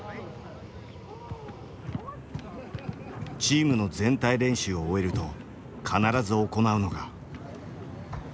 チームの全体練習を終えると必ず行うのが。